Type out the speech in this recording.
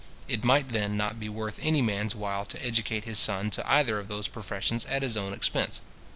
It might then not be worth any man's while to educate his son to either of those professions at his own expense.